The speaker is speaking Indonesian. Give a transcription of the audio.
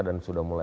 dan sudah mulai